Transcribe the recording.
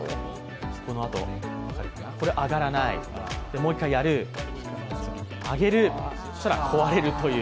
これ、上がらない、もう一回やる、上げる、そしたら壊れるという。